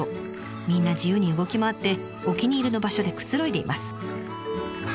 みんな自由に動き回ってお気に入りの場所でくつろいでいます。